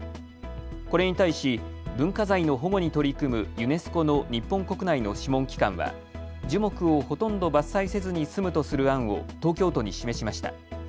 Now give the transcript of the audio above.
これに対し文化財の保護に取り組むユネスコの日本国内の諮問機関は樹木をほとんど伐採せずに済むとする案を東京都に示しました。